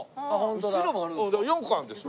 後ろもあるんですか？